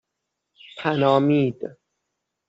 پنامید